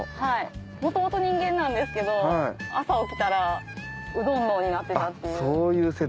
はい元々人間なんですけど朝起きたらうどん脳になってたっていう。